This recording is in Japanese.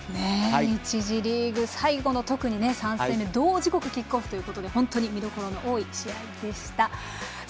１次リーグ、最後の３戦目同時刻キックオフということで本当に見どころの多い試合でした。